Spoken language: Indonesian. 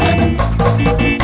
masih gak diangkat